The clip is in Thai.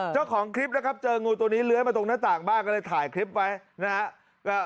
เจ้าของคลิปนะครับเจองูตัวนี้เลื้อยมาตรงหน้าต่างบ้านก็เลยถ่ายคลิปไว้นะครับ